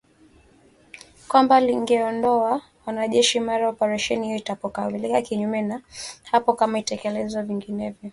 kwamba lingeondoa wanajeshi mara operesheni hiyo itakapokamilika kinyume na hapo kama itaelekezwa vinginevyo